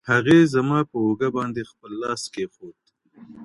هغې زما په اوږه باندې خپل لاس کېښود.